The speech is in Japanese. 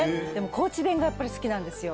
高知弁がやっぱり好きなんですよ。